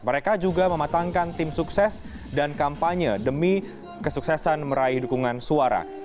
mereka juga mematangkan tim sukses dan kampanye demi kesuksesan meraih dukungan suara